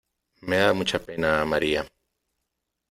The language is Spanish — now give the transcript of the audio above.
Me da mucha pena María.